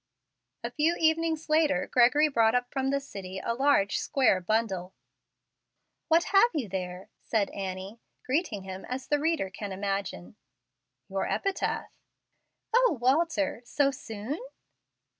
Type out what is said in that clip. A few evenings later Gregory brought up from the city a large, square bundle. "What have you there?" said Annie, greeting him as the reader can imagine. "Your epitaph." "O, Walter! so soon?"